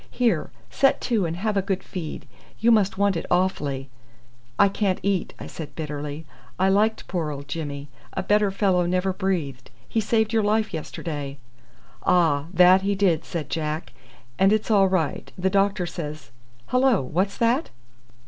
Here, set to and have a good feed. You must want it awfully." "I can't eat," I said bitterly. "I liked poor old Jimmy. A better fellow never breathed. He saved your life yesterday." "Ah! that he did," said Jack; "and it's all right. The doctor says Hullo! what's that?"